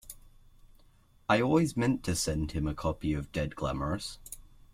I always meant to send him a copy of Dead Glamorous.